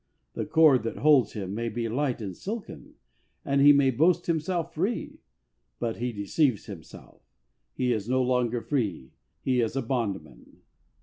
The cord that holds him may be light and silken, and he may boast himself free, but he deceives himself j he is no longer free, he is a bondman.